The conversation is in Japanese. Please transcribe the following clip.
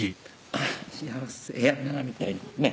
あぁ幸せやなぁみたいなねっ